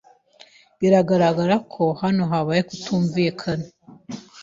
Biragaragara ko hano habaye ukutumvikana.